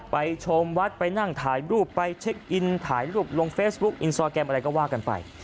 ไปชมวัดไปนั่งถ่ายรูปไปเช็คอินถ่ายรูปลงเฟซบุ๊คอินสตราแกรมอะไรก็ว่ากันไป